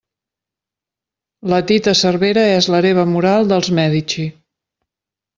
La Tita Cervera és l'hereva moral dels Medici.